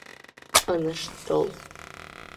Ынышт тол!